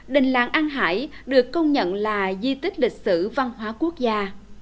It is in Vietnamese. đình làng an hải được công nhận là di tích lịch sử văn hóa quốc gia